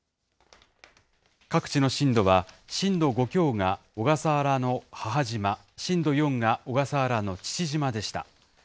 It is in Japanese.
各地の震度は、震度５強が小笠原の母島、震度４が小笠原の父島でした。